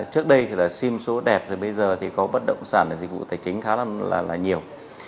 trước đây là sim số đẹp bây giờ thì có bất động sản dịch vụ tài chính khá là nhiều